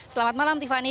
selamat malam tiffany